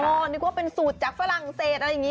ก็นึกว่าเป็นสูตรจากฝรั่งเศสอะไรอย่างนี้